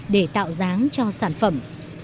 để tạo dáng cho sản phẩm